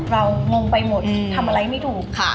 เรางงไปหมดทำอะไรไม่ถูก